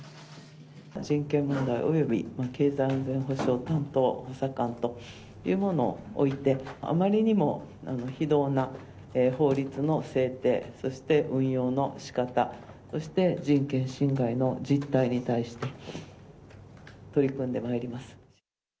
人権問題および経済安全保障担当補佐官というものを置いて、あまりにも非道な法律の制定、そして運用のしかた、そして人権侵害の実態に対して、取り組んでまいります。